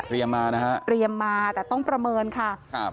มานะฮะเตรียมมาแต่ต้องประเมินค่ะครับ